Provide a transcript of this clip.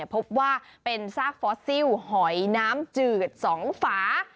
พบว่าเป็นซากฟอสซิลหอยน้ำจืด๒ฝา